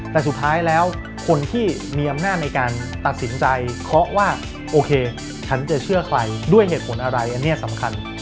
แต่สุดท้ายแล้วคนที่มีอำนาจในการตัดสินใจเคาะว่าโอเคฉันจะเชื่อใครด้วยเหตุผลอะไรอันนี้สำคัญ